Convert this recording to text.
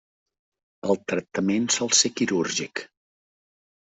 El tractament sol ser quirúrgic.